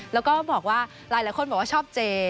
แล้วก็บอกว่าหลายคนบอกว่าชอบเจ